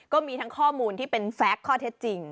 ก็มีทั้งข้อมูลที่เป็นแฟคข้อเท็จจริง